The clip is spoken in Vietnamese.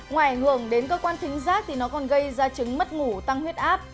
ngoài ảnh hưởng đến cơ quan thính giác thì nó còn gây ra chứng mất ngủ tăng huyết áp